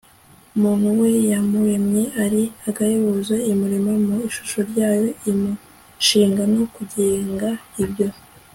muntu we yamuremye ari agahebuzo, imurema mu ishusho ryayo, imushinga no kugenga ibyo